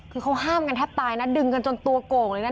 คือเขาห้ามกันแทบตายนะดึงกันจนตัวโก่งเลยนะ